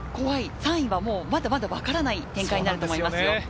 ３位はまだまだわからない展開になると思いますよ。